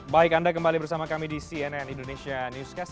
baik anda kembali bersama kami di cnn indonesia newscast